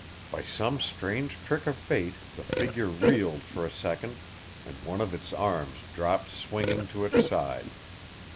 By some strange trick of fate the figure reeled for a second and one of its arms dropped swinging to its side.